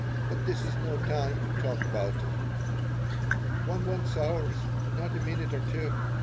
But this is no time to talk about it. One wants hours, not a minute or two.